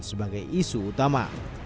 sebagai isu utama